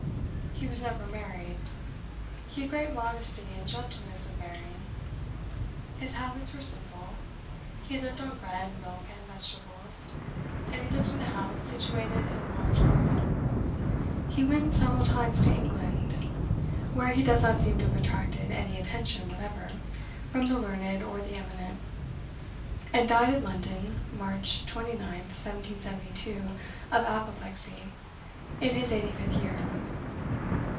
He was never married. He had great modesty and gentleness of bearing. His habits were simple; he lived on bread, milk, and vegetables; and he lived in a house situated in a large garden; he went several times to England, where he does not seem to have attracted any attention whatever from the learned or the eminent; and died at London, March 29, 1772, of apoplexy, in his eighty fifth year.